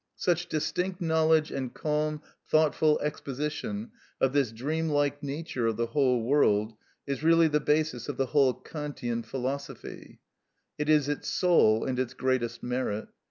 Such distinct knowledge and calm, thoughtful exposition of this dream like nature of the whole world is really the basis of the whole Kantian philosophy; it is its soul and its greatest merit.